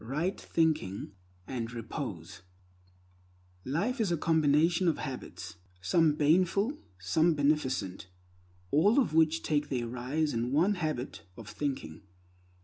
Right Thinking and Repose LIFE IS A COMBINATION OF HABITS, some baneful, some beneficent, all of which take their rise in the one habit of thinking.